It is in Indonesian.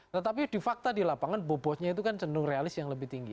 tetapi di fakta di lapangan bobotnya itu kan cenderung realis yang lebih tinggi